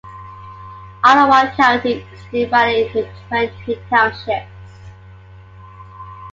Ottawa County is divided into twenty townships.